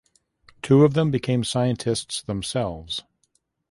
Two of them became scientists themselves.